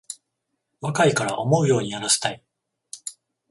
若いから思うようにやらせたい